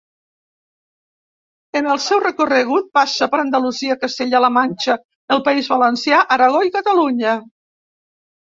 En el seu recorregut passa per Andalusia, Castella-la Manxa, el País Valencià, Aragó i Catalunya.